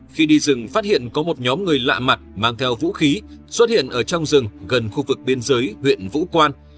khi đi rừng phát hiện có một nhóm người lạ mặt mang theo vũ khí xuất hiện ở trong rừng gần khu vực biên giới huyện vũ quan